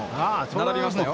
並びましたよ。